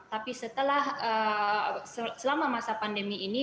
tapi setelah selama masa pandemi ini